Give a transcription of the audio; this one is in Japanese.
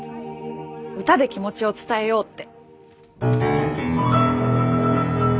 歌で気持ちを伝えようって。